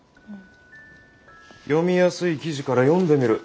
読みやすい記事から読んでみる。